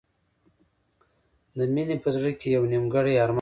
د مینې په زړه کې یو نیمګړی ارمان و